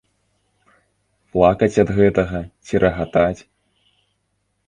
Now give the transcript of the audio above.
Плакаць ад гэтага, ці рагатаць?